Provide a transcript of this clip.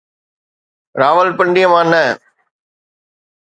راولپنڊي مان نه.